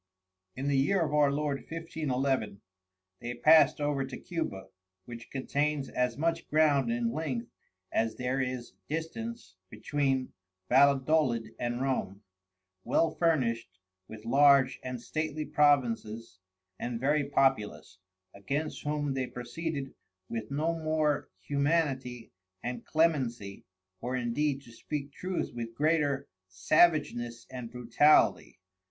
In the Year of our Lord 1511. They passed over to Cuba, which contains as much ground in length as there is distance between Valledolid and Rome, well furnished with large and stately Provinces and very populous, against whom they proceeded with no more humanity and Clemency, or indeed to speak truth with greater Savageness and Brutality.